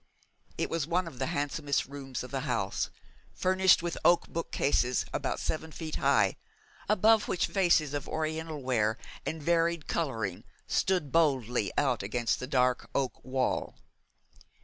It was one of the handsomest rooms of the house, furnished with oak bookcases about seven feet high, above which vases of Oriental ware and varied colouring stood boldly out against the dark oak wall.